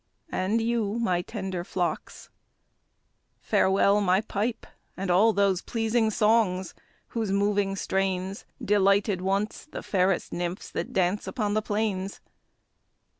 and you, my tender flocks! Farewell my pipe, and all those pleasing songs, whose moving strains Delighted once the fairest nymphs that dance upon the plains!